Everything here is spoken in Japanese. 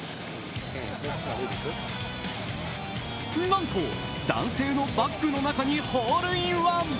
なんと男性のバッグの中にホールインワン。